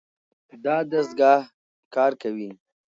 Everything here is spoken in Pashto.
دا دستګاه کار کوي.